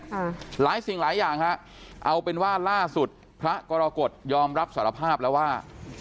หลายสิ่งหลายอย่างฮะเอาเป็นว่าล่าสุดพระกรกฎยอมรับสารภาพแล้วว่า